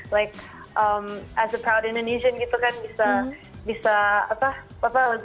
like as a proud indonesian gitu kan